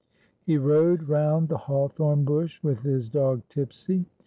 He rode round the hawthorn bush with his dog Tipsy.